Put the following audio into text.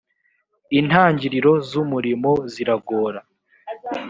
intangiriro z umurimo ziragora